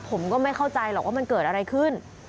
ผมก็ไม่เข้าใจหรอกว่ามันเกิดอะไรขึ้น